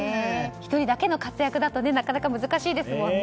１人だけの活躍だとなかなか難しいですもんね。